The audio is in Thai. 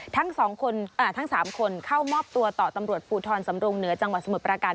ทั้ง๓คนเข้ามอบตัวต่อตำรวจภูทรสำรงเหนือจังหวัดสมุทรประการ